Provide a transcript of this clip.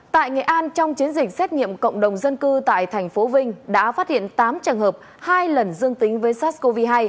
tại nghệ an trong chiến dịch xét nghiệm cộng đồng dân cư tại thành phố vinh đã phát hiện tám trường hợp hai lần dương tính với sars cov hai